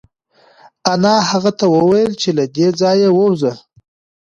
انا هغه ته وویل چې له دې ځایه ووځه.